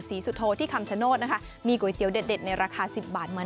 สุโธที่คำชโนธนะคะมีก๋วยเตี๋ยวเด็ดในราคา๑๐บาทมา